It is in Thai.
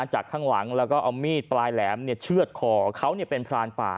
จากข้างหลังแล้วก็เอามีดปลายแหลมเชื่อดคอเขาเป็นพรานป่า